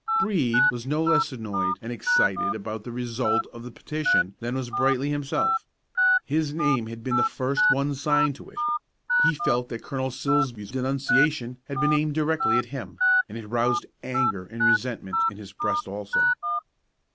Brede was no less annoyed and excited about the result of the petition than was Brightly himself. His name had been the first one signed to it. He felt that Colonel Silsbee's denunciation had been aimed directly at him, and it roused anger and resentment in his breast also.